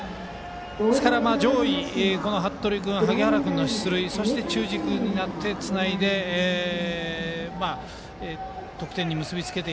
上位の服部君萩原君の出塁そして中軸になって、つないで得点に結びつける。